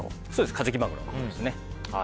カジキマグロですね。